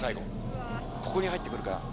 ここに入って来るから。